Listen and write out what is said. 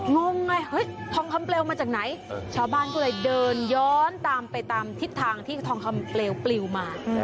งงไงเฮ้ยทองคำเปลวมาจากไหนชาวบ้านก็เลยเดินย้อนตามไปตามทิศทางที่ทองคำเปลวมา